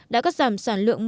đã cắt giảm sản lượng